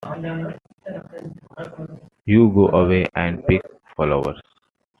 You go away and pick flowers.